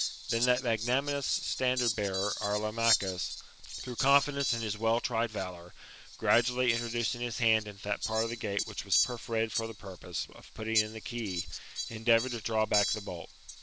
Then that magnanimous standard bearer, our Lamachus, through confidence in his wellr tried valour, gradually introducing his hand into that part of the gate which was perforated for the purpose of putting in the key, endeavoured to draw back the bolt.